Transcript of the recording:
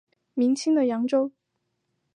明清的扬州。